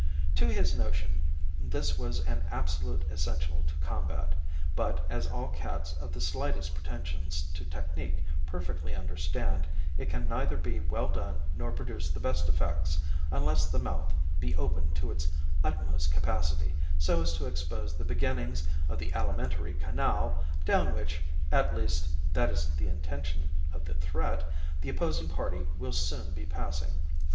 To his notion, this was an absolute essential to combat; but, as all cats of the slightest pretensions to technique perfectly understand, it can neither be well done nor produce the best effects unless the mouth be opened to its utmost capacity so as to expose the beginnings of the alimentary canal, down which at least that is the intention of the threat the opposing party will soon be passing.